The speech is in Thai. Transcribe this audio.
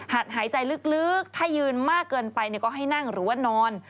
หายใจลึกถ้ายืนมากเกินไปก็ให้นั่งหรือว่านอน